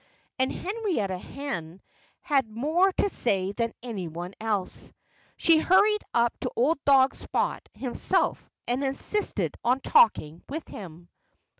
And Henrietta Hen had more to say than anyone else. She hurried up to old dog Spot himself and insisted on talking with him.